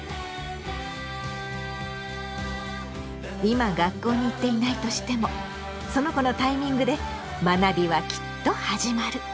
今学校に行っていないとしてもその子のタイミングで学びはきっと始まる。